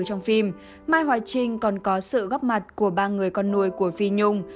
trong phim mai hoài trinh còn có sự góp mặt của ba người con nuôi của phi nhung